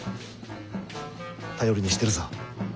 頼りにしてるぞ。